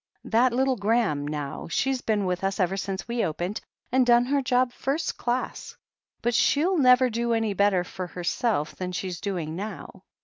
"That little Graham, now — she's been with us ever since we opened, and done her job first class. But she'll never do any better for herself than she's doing now.